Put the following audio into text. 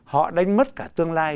họ đánh mất cả tương lai